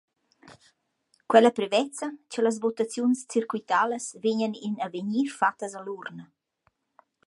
Quella prevezza cha las votaziuns cirquitalas vegnan in avegnir fattas a l’urna.